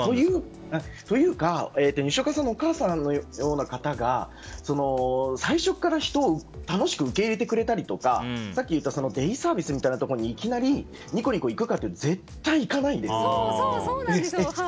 というか、にしおかさんのお母様のような方が最初から人を楽しく受け入れてくれたりとかさっき言ったデイサービスみたいなところにいきなりニコニコ行くかって言ったら絶対行かないんですよ。